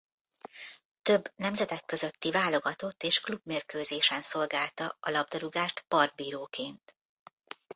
Több nemzetek közötti válogatott és klubmérkőzésen szolgálta a labdarúgást partbíróként.